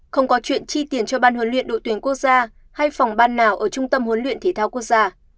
không có chuyện chi tiền cho ban huấn luyện đội tuyển quốc gia hay phòng ban nào ở trung tâm huấn luyện thể thao quốc gia